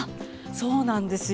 そうなんですよ。